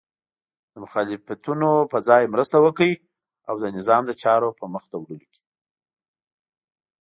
د مخالفتونو په ځای مرسته وکړئ او د نظام د چارو په مخته وړلو